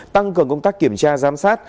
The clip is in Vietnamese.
tăng cường công tác kiểm tra giám sát